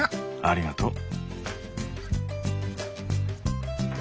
ありがとう。